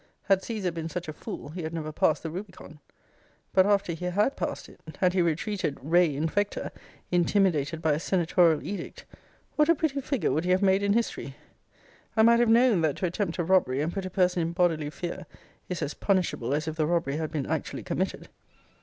Had Caesar been such a fool, he had never passed the rubicon. But after he had passed it, had he retreated re infecta, intimidated by a senatorial edict, what a pretty figure would he have made in history! I might have known, that to attempt a robbery, and put a person in bodily fear, is as punishable as if the robbery had been actually committed.